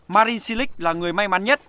marin silic là người may mắn nhất